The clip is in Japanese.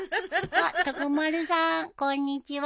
あっ高丸さんこんにちは。